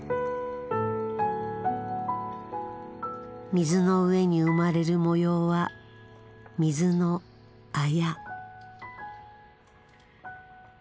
水の上に生まれる模様は水の綾。